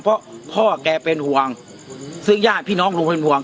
เพราะพ่อแกเป็นห่วงซึ่งญาติพี่น้องลุงเป็นห่วง